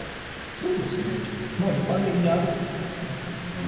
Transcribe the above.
そうですね、一般的にあると思いますね。